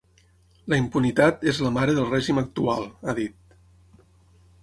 La impunitat és la mare del règim actual, ha dit.